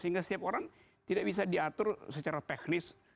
sehingga setiap orang tidak bisa diatur secara teknis